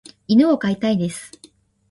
犬を飼いたいです。